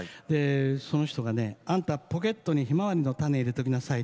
その人はねあんたポケットにひまわりの種を入れておきなさい。